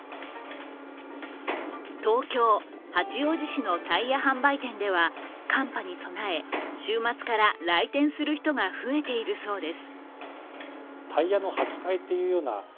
東京・八王子市のタイヤ販売店では寒波に備え、週末から来店する人が増えているそうです。